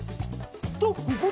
［とここで］